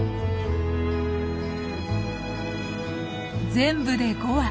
全部で５羽。